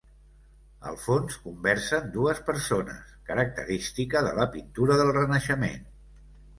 Al fons conversen dues persones, característica de la pintura del Renaixement.